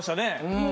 うん。